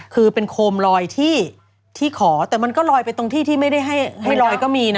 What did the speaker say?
คือเป็นโคมลอยที่ขอแต่มันก็ลอยไปตรงที่ที่ไม่ได้ให้ลอยก็มีนะ